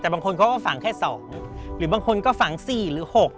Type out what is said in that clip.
แต่บางคนเขาก็ฝังแค่๒หรือบางคนก็ฝัง๔หรือ๖